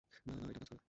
না, না, এটা কাজ করে।